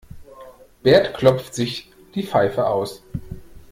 Bert klopft sich die Pfeife aus.